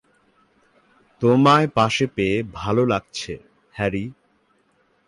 তোমায় পাশে পেয়ে ভালো লাগছে, হ্যারি।